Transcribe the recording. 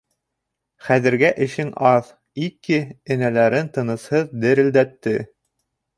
— Хәҙергә эшең аҙ, — Икки энәләрен тынысһыҙ дерелдәтте.